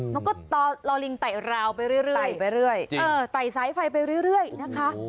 มันก็รอลิงไต่ราวไปเรื่อยไต่สายไฟไปเรื่อยนะคะ